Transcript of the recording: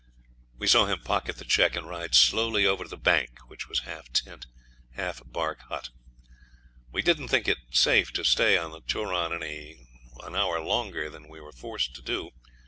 We saw him pocket the cheque, and ride slowly over to the bank, which was half tent, half bark hut. We didn't think it safe to stay on the Turon an hour longer than we were forced to do.